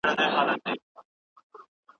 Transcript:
دا مقاله ډېره په زړه پوري ده.